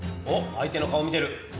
おっ相手の顔見てる！